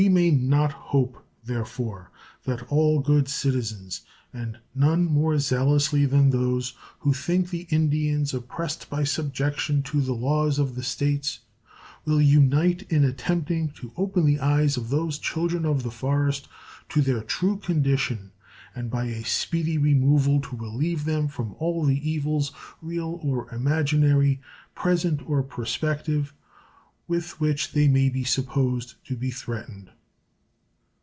May we not hope, therefore, that all good citizens, and none more zealously than those who think the Indians oppressed by subjection to the laws of the States, will unite in attempting to open the eyes of those children of the forest to their true condition, and by a speedy removal to relieve them from all the evils, real or imaginary, present or prospective, with which they may be supposed to be threatened.